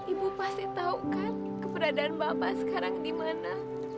ibu pasti tahu kan keberadaan bapak sekarang di mana